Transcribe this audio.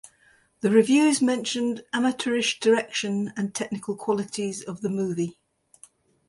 The reviews mentioned amateurish direction and technical qualities of the movie.